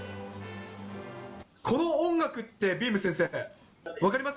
この音楽って、びーむ先生、分かります？